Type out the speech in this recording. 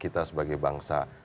kita sebagai bangsa